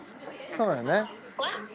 そうよね